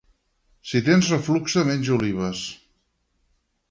Si tens refluxe menja olives